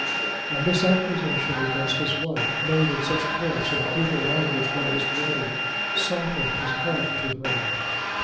And this accusation against his wife, made in such coarse and brutal language by his brother, softened his heart to her.